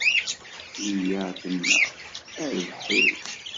Liya tenna: A rrbeḥ-iw!